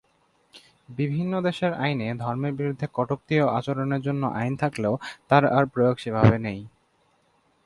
বিভিন্ন দেশের আইনে ধর্মের বিরুদ্ধে কটূক্তি ও আচরণের জন্য আইন থাকলেও তার আর প্রয়োগ সেভাবে নেই।